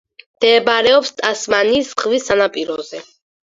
მდებარეობს ტასმანიის ზღვის სანაპიროზე.